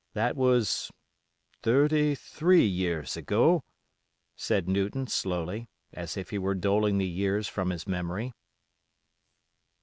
That was—thirty three years ago," said Newton, slowly, as if he were doling the years from his memory.